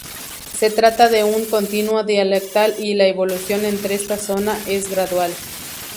Se trata de un continuo dialectal y la evolución entre estas zonas es gradual.